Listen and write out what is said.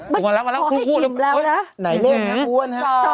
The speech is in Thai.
คุณมาแล้วมาแล้วคุณพูดแล้วอุ๊ยไหนเล่นครับคุณอ้วนฮะ